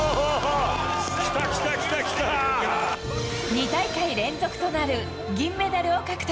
２大会連続となる銀メダルを獲得。